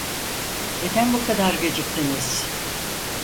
Neden bu kadar geciktiniz?